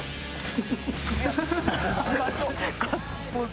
ガッツポーズ。